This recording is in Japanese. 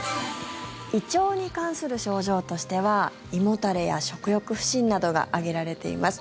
胃腸に関する症状としては胃もたれや食欲不振などが挙げられています。